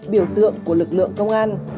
biểu tượng của lực lượng công an